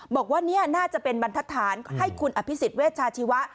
บอกว่านี่น่าจะเป็นบรรทัศนให้คุณอภิษฎเวชาชีวะ